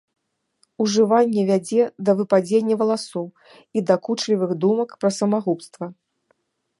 Ужыванне вядзе да выпадзення валасоў і дакучлівых думак пра самагубства.